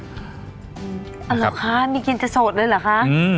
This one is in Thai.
อ๋อหรือคะมีเกณฑ์จะโสดเลยหรือคะ